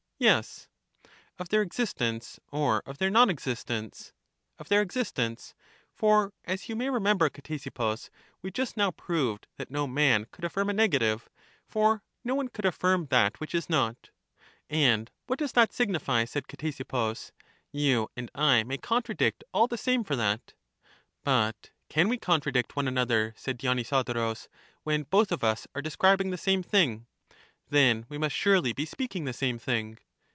Yes. Of their existence or of their non existence? Of their existence. For, as you may remember, Ctesippus, ^e just now proved that no man could affirm a negative; for no one could affirm that which is not. And what does that signify, said Ctesippus; you and I may contradict all the same for that. But can we contradict one another, said Dionyso dorus, when both of us are describing the same thing? Then we must surely be speaking the same thing?